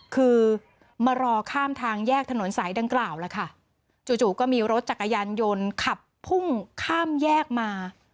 คือมารอข้ามทางแยกถนนสายดังกล่าวแล้วค่ะจู่ก็มีรถจักรยานยนต์ขับพุ่งข้ามแยกมา